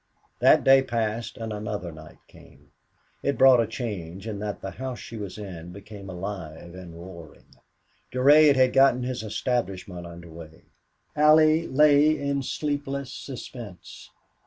That day passed and another night came. It brought a change in that the house she was in became alive and roaring. Durade had gotten his establishment under way. Allie lay in sleepless suspense.